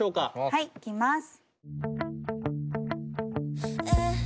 はいいきます。